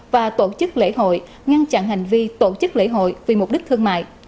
và tổ chức lễ hội ngăn chặn hành vi tổ chức lễ hội vì mục đích thương mại